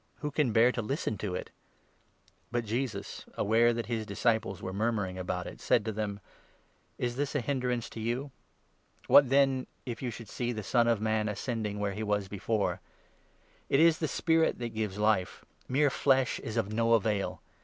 Who can bear to listen to it ?" But Jesus, aware that his disciples were murmuring about it, said to them :" Is this a hindrance to you? What, then, if you should see the Son of Man ascending where he was before? It is the Spirit that gives Life ; mere flesh is of no avail.